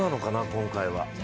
今回は。